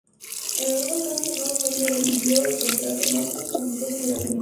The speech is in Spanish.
En algunos casos, el nuevo dueño rescindió el contrato; en otros, lo aumentó considerablemente.